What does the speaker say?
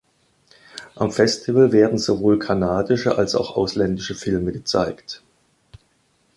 Am Festival werden sowohl kanadische als auch ausländische Filme gezeigt.